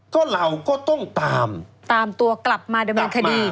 ก็เราก็ต้องตามตามตัวกลับมาดำเนินคดี